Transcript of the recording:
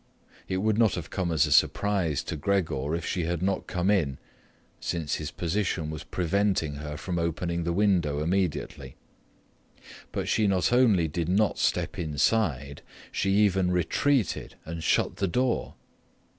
It would not have come as a surprise to Gregor if she had not come in, since his position was preventing her from opening the window immediately. But she not only did not step inside; she even retreated and shut the door.